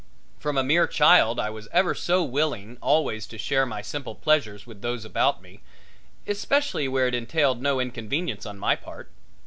From a mere child I was ever so willing always to share my simple pleasures with those about me, especially where it entailed no inconvenience on my part.